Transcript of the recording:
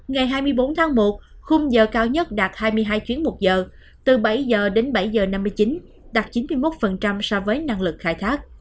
ngày hai mươi bốn tháng một khung giờ cao nhất đạt hai mươi hai chuyến một giờ từ bảy h đến bảy h năm mươi chín đạt chín mươi một so với năng lực khai thác